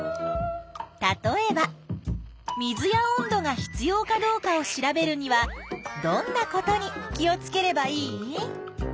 例えば水や温度が必要かどうかを調べるにはどんなことに気をつければいい？